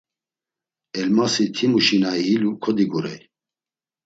Elmasi timuşi na iilu kodigurey.